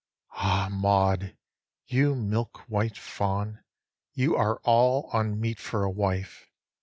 Ah Maud, you milkwhite fawn, you are all unmeet for a wife.